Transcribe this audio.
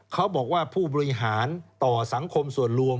เขาบอกว่าผู้บริหารต่อสังคมส่วนรวม